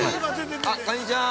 ◆あっ、こんにちは。